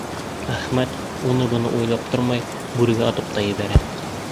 Әхмәт уны-быны уйлап тормай бүрегә атып та ебәрә.